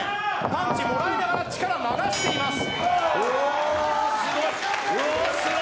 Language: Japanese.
パンチもらいながら力を流しています。